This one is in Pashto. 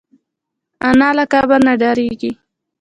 انا له قبر نه ډارېږي